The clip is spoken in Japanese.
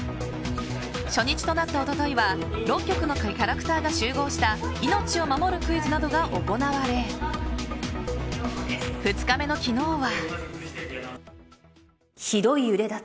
初日となった一昨日は６局のキャラクターが集合したいのちを守るクイズなどが行われ２日目の昨日は。